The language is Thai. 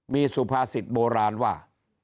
มีสุภาษิตโบราณว่า